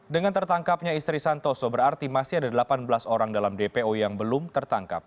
dengan tertangkapnya istri santoso berarti masih ada delapan belas orang dalam dpo yang belum tertangkap